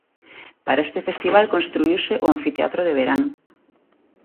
Para este festival construíuse o Anfiteatro de Verán.